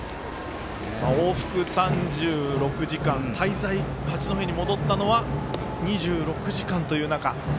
往復３６時間滞在、八戸に戻ったのは２６時間という中。